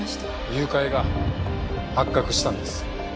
誘拐が発覚したんです。